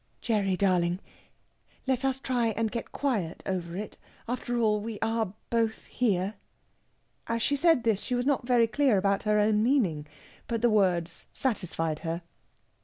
"Gerry darling let us try and get quiet over it. After all, we are both here." As she said this she was not very clear about her own meaning, but the words satisfied her.